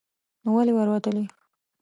نو ولې ور وتلی ؟